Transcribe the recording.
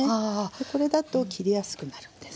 これだと切りやすくなるんです。